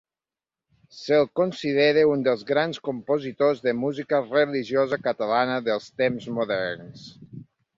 Se'l considera un dels grans compositors de música religiosa catalana dels temps moderns.